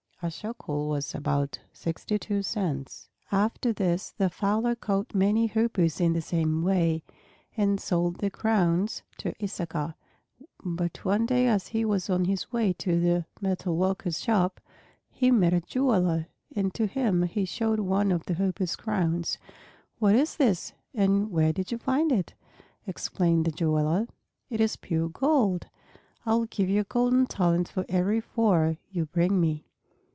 (A shekel was about sixty two cents.) After this the fowler caught many Hoopoes in the same way, and sold their crowns to Issachar. But one day as he was on his way to the metalworker's shop he met a jeweler, and to him he showed one of the Hoopoes' crowns. "What is this, and where did you find it?" exclaimed the jeweler. "It is pure gold. I will give you a golden talent for every four you bring me."